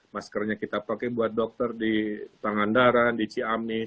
maskernya kita pakai buat dokter di pangandaran di ciamis